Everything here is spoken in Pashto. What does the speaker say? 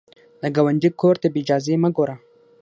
د ګاونډي کور ته بې اجازې مه ګوره